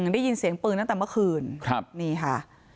ได้ยินเสียงปืนตั้งแต่เมื่อคืนครับนี่ค่ะ